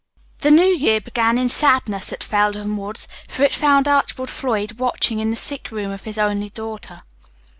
The new year began in sadness at Felden Woods, for it found Archibald Floyd watching in the sick room of his only daughter.